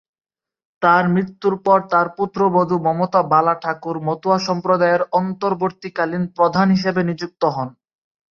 তার মৃত্যুর পর তার পুত্রবধূ মমতা বালা ঠাকুর মতুয়া সম্প্রদায়ের অন্তর্বর্তীকালীন প্রধান হিসেবে নিযুক্ত হন।